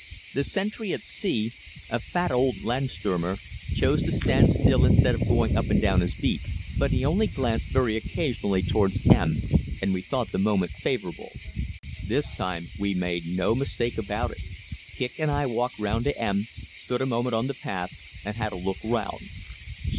The sentry at "C," a fat old Landsturmer, chose to stand still instead of going up and down his beat, but he only glanced very occasionally towards "M," and we thought the moment favorable. This time we made no mistake about it. Kicq and I walked round to "M," stood a moment on the path, and had a look round.